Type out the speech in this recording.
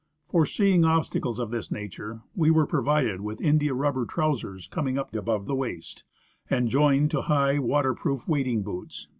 Foreseeing obstacles of this nature, we were provided with india rubber trousers coming up above the waist, and joined to high waterproof wading boots.